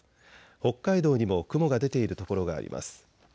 北海道にも雲が出ている所があります。